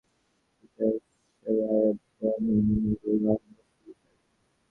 অমিয়ভূষণ মজুমদার পরিচালিত চলচ্চিত্রটিতে অভিনয় করেন সুদেষ্ণা রায় এবং গোলাম দস্তগীর গাজী।